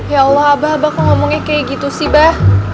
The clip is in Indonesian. ya allah bah bakal ngomongnya kayak gitu sih bah